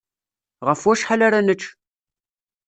Ɣef wacḥal ara nečč?